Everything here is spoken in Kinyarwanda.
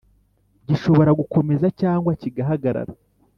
gishobora gukomeza cyangwa kigahagarara